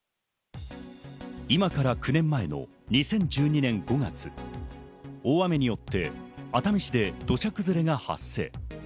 今から９年前の２０１２年５月、大雨によって熱海市で土砂崩れが発生。